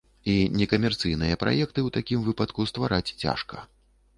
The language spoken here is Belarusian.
І некамерцыйныя праекты ў такім выпадку ствараць цяжка.